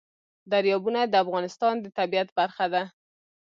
دریابونه د افغانستان د طبیعت برخه ده.